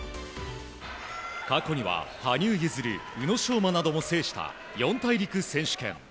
過去には羽生結弦宇野昌磨なども制した四大陸選手権。